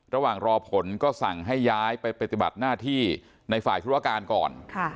ระหว่างรอผลก็สั่งให้ย้ายไปปฏิบัติหน้าที่ในฝ่ายธุรการก่อน